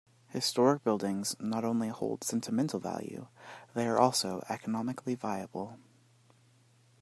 Historic buildings not only hold sentimental value, they are also economically viable.